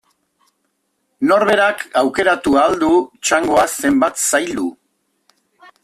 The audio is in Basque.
Norberak aukeratu ahal du txangoa zenbat zaildu.